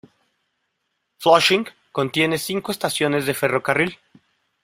Flushing contiene cinco estaciones de ferrocarril.